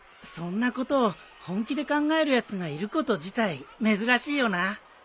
そんなことを本気で考えるやつがいること自体珍しいよな。